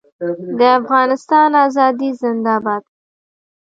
د افغانستان ازادي زنده باد.